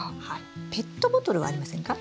ペットボトルはありませんか？